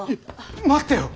待ってよ。